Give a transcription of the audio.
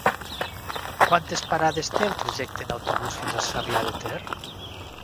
Quantes parades té el trajecte en autobús fins a Sarrià de Ter?